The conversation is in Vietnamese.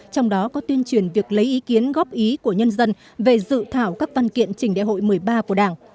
trong đó có tuyên truyền việc lấy ý kiến góp ý của nhân dân về dự thảo các văn kiện trình đại hội một mươi ba của đảng